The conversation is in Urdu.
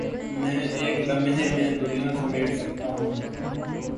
میں ایک لمحے میں دنیا سمیٹ سکتا ہوں